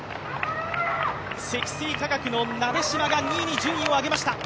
積水化学の鍋島が２位に順位を上げました。